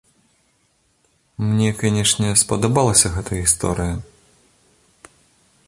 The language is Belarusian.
Мне, канешне, спадабалася гэта гісторыя!